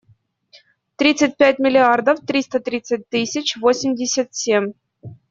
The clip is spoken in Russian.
Тридцать пять миллиардов триста тридцать тысяч восемьдесят семь.